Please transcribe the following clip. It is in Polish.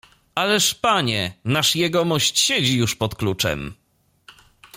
"Ależ, panie, nasz jegomość siedzi już pod kluczem!"